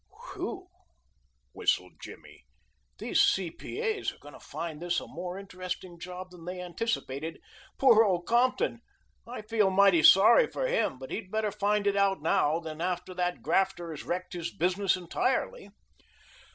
"Phew!" whistled Jimmy. "These C.P.A.s are going to find this a more interesting job than they anticipated. Poor old Compton! I feel mighty sorry for him, but he had better find it out now than after that grafter has wrecked his business entirely."